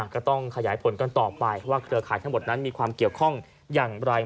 ก็ต้องขยายผลกันต่อไปว่าเครือข่ายทั้งหมดนั้นมีความเกี่ยวข้องอย่างไร